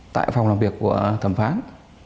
tại phòng làm việc của thẩm phán